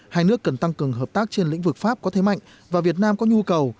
hai nước cần tăng cường hợp tác trên lĩnh vực pháp có thế mạnh và việt nam có nhu cầu